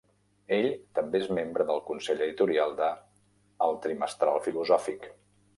Ell també és membre del consell editorial de "El Trimestral Filosòfic".